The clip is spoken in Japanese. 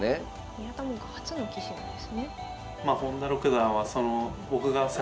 宮田門下初の棋士なんですね。